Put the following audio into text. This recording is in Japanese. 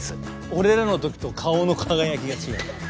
俺らのときと顔の輝きが違う。